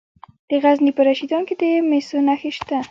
د غزني په رشیدان کې د مسو نښې شته.